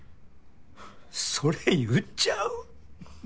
それ言っちゃう？